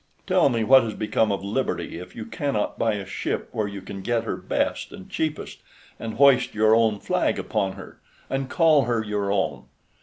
Tell me what has become of liberty if you cannot buy a ship where you can get her best and cheapest, and hoist your own flag upon her, and call her your own?